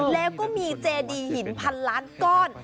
แล้วก็มีเจดีหินพันล้านก้อน